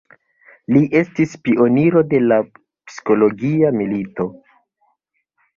Li estis pioniro de la psikologia milito.